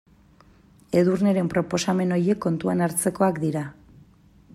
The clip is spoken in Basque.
Edurneren proposamen horiek kontuan hartzekoak dira.